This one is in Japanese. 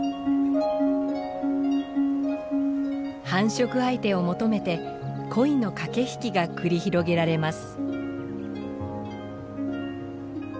繁殖相手を求めて恋の駆け引きが繰り広げられます。